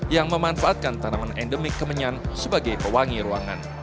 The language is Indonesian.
yang memanfaatkan tanaman endemik kemenyan sebagai pewangi ruangan